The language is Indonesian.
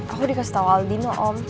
aku dikasih tahu aldino om